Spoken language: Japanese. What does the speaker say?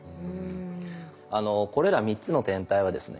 これら３つの天体はですね